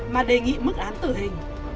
mà đề nghị mức án tử hình